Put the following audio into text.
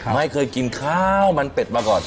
ไม่เคยกินข้าวมันเป็ดมาก่อน